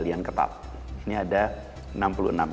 jadi kita memantau semua wilayah yang tadi disebut sebagai penyelenggaraan